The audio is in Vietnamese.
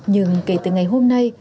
nhưng kể từ ngày hôm nay